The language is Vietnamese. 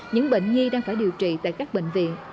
những bệnh nhi đang phải điều trị tại các bệnh viện